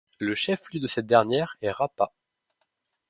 Le chef-lieu de cette dernière est Rapa.